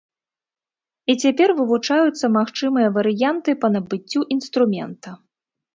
І цяпер вывучаюцца магчымыя варыянты па набыццю інструмента.